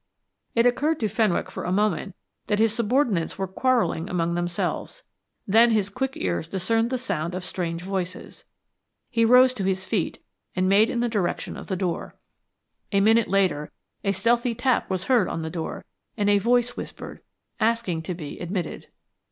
It occurred to Fenwick for a moment that his subordinates were quarrelling among themselves; then his quick ears discerned the sound of strange voices. He rose to his feet and made in the direction of the door. A minute later a stealthy tap was heard on the door, and a voice whispered, asking to be admitted.